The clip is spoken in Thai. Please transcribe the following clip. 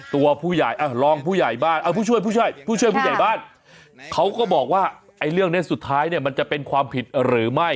ตัวผู้ช่วยผู้ใหญ่บ้านเขาก็บอกว่าเรื่องนี้สุดท้ายมันจะเป็นความผิดหรือไม่